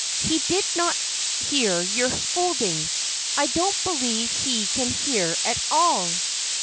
He did not hear your scolding. I don't believe he can hear at all.